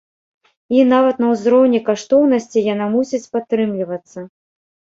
І, нават на ўзроўні каштоўнасці, яна мусіць падтрымлівацца.